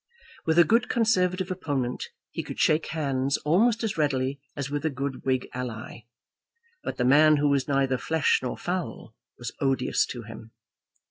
With a good Conservative opponent he could shake hands almost as readily as with a good Whig ally; but the man who was neither flesh nor fowl was odious to him.